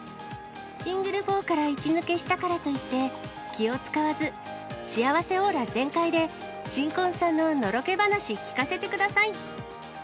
シングル４から１抜けしたからといって、気を遣わず、幸せオーラ全開で、新婚さんののろけ話聞かせてください。